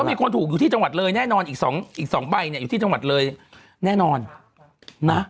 ต้องมีคนถูกอยู่ที่จังหวัดเลยแน่นอนอีก๒ใบอยู่ที่จังหวัดเลยแน่นอนนะ